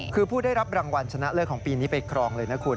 คือผู้ได้รับรางวัลชนะเลิศของปีนี้ไปครองเลยนะคุณ